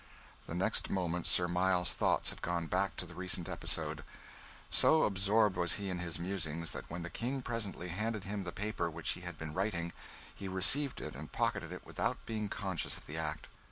The next moment Sir Miles's thoughts had gone back to the recent episode. So absorbed was he in his musings, that when the King presently handed him the paper which he had been writing, he received it and pocketed it without being conscious of the act.